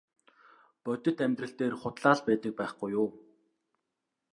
Бодит амьдрал дээр худлаа л байдаг байхгүй юу.